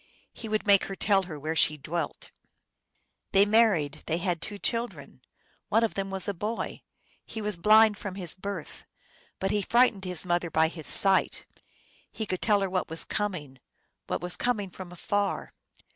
He would make her tell where she dwelt. They married ; they had two children. One of them was a boy ; He was blind from his birth, But he frightened his mother by his sight. He could tell her what was coming, What was coming from afar.